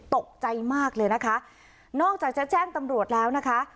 ตกใจมากเลยนะคะนอกจากจะแจ้งตำรวจแล้วนะคะ